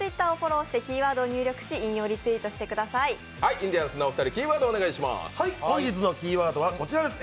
インディアンスのお二人、キーワードをお願いします。